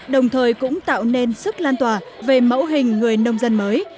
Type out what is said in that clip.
đồng thời cũng tạo nên sức lan tỏa về mẫu hình người nông dân mới